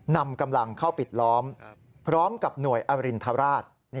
นำกำลังเข้าปิดล้อมพร้อมกับหน่วยอรินทราช